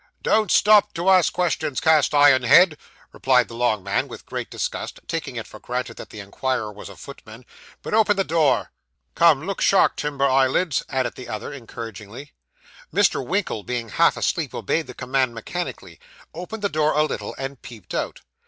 'Don't stop to ask questions, cast iron head,' replied the long man, with great disgust, taking it for granted that the inquirer was a footman; 'but open the door.' 'Come, look sharp, timber eyelids,' added the other encouragingly. Mr. Winkle, being half asleep, obeyed the command mechanically, opened the door a little, and peeped out.